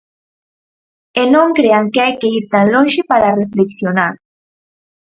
E non crean que hai que ir tan lonxe para reflexionar.